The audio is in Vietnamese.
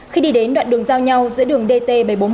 khi đi đến đoạn đường giao nhau giữa đường dt